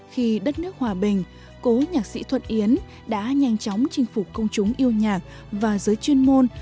khi đất nước hòa bình cố nhạc sĩ thuận yến đã nhanh chóng chinh phục công chúng yêu nhạc và giới chuyên môn